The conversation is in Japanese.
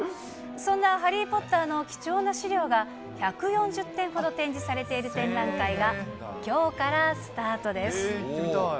そんなハリー・ポッターの貴重な資料が、１４０点ほど展示されている展覧会が、きょうからスタートです。